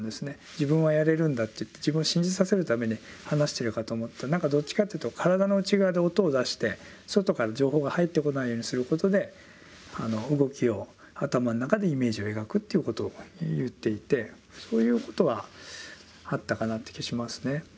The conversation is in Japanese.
「自分はやれるんだ」って言って自分を信じさせるために話してるかと思ったらどっちかっていうと体の内側で音を出して外から情報が入ってこないようにすることで動きを頭の中でイメージを描くっていうことを言っていてそういうことはあったかなっていう気はしますね。